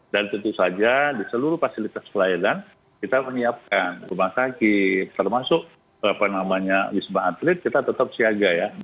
dan tentu saja di seluruh fasilitas pelayanan kita menyiapkan rumah sakit termasuk apa namanya wisma atlet kita tetap siaga ya